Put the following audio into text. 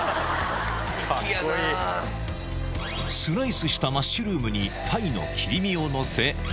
スライスしたマッシュルームに、タイの切り身を載せ。